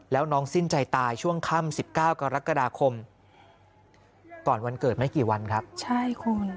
แล้วน้องสิ้นใจตายช่วงค่ำ๑๙กรกฎาคมก่อนวันเกิดไม่กี่วันครับใช่คุณ